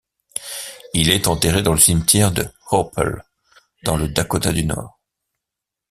Il est enterré dans le cimetière de Hoople, dans le Dakota du Nord.